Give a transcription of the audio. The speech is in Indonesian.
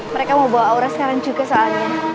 mereka mau bawa aura sekarang juga soalnya